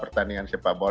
pertandingan sepak bola